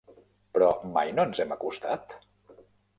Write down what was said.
Però mai no ens hem acostat?